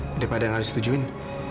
daripada yang harus ditujuin